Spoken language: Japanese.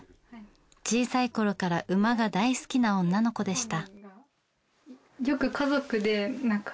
小さいころから馬が大好きな女の子でした。